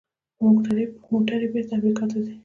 موټرې بیرته امریکا ته ځي.